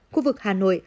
khu vực hà nội